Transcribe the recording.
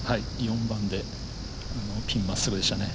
４番でピン真っすぐでしたね。